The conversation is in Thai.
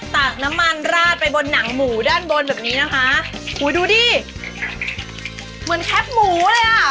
ตากน้ำมันราดไปบนหนังหมูด้านบนแบบนี้นะคะอุ้ยดูดิเหมือนแคปหมูเลยอ่ะ